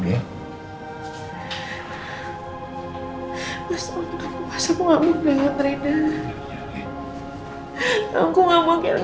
mas aku takut pas aku ngambil dengan reina